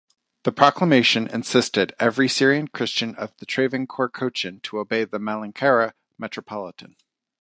The proclamation insisted every Syrian Christian of Travancore-Cochin to obey the Malankara Metropolitan.